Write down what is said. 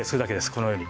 このように。